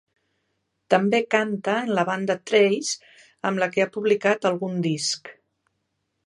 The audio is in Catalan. També canta en la banda Trace, amb la que ha publicat algun disc.